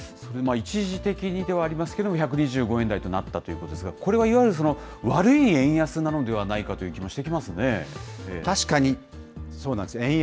一時的にではありますけれども、１２５円台となったということですが、これはいわゆる悪い円安なのではないかという気もして確かにそうなんですね。